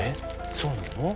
そうなの？